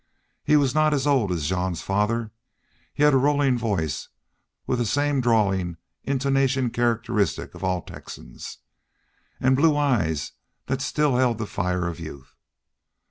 He was not as old as Jean's father. He had a rolling voice, with the same drawling intonation characteristic of all Texans, and blue eyes that still held the fire of youth.